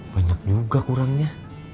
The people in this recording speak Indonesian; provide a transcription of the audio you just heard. banyak juga kurangnya